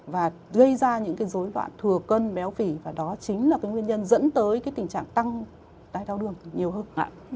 và gây ra những cái dối loạn thừa cân béo phỉ và đó chính là cái nguyên nhân dẫn tới cái tình trạng tăng đái tháo đường nhiều hơn